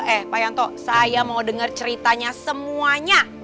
eh pak rata saya mau denger ceritanya semuanya